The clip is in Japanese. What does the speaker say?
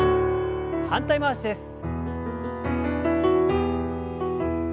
反対回しです。